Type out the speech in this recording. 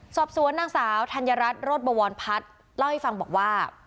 สอบสวนนางสาวธัญรัฐโรธบวรพัฒน์เล่าให้ฟังบอกว่า